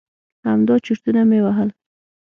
همدا چرتونه مې وهل.